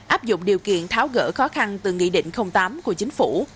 áp dụng điều kiện tháo gỡ khó khăn từ nghị định tám của chính phủ